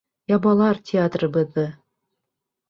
Ябалар театрыбыҙҙы!